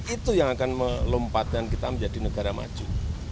itu yang akan melompatkan kita menjadi negara maju